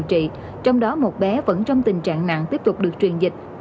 trị trong đó một bé vẫn trong tình trạng nặng tiếp tục được truyền dịch